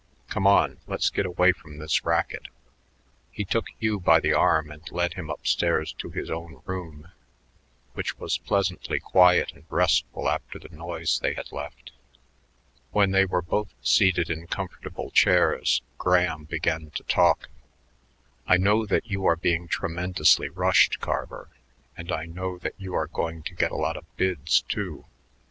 Come on; let's get away from this racket." He took Hugh by the arm and led him up stairs to his own room, which was pleasantly quiet and restful after the noise they had left. When they were both seated in comfortable chairs, Graham began to talk. "I know that you are being tremendously rushed, Carver, and I know that you are going to get a lot of bids, too.